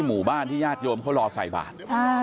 หมู่บ้านที่ญาติโยมเขารอไส่ถวัฒน์